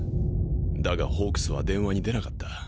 だがホークスは電話に出なかった。